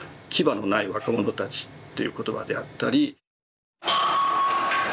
「牙のない若者たち」という言葉であったり。